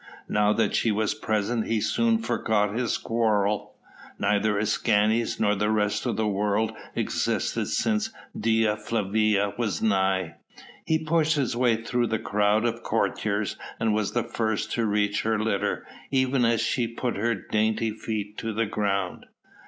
Now that she was present he soon forgot his quarrel; neither Escanes nor the rest of the world existed since Dea Flavia was nigh. He pushed his way through her crowd of courtiers and was the first to reach her litter even as she put her dainty feet to the ground.